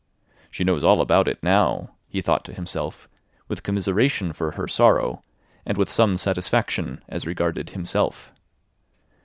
"She knows all about it now," he thought to himself with commiseration for her sorrow and with some satisfaction as regarded himself.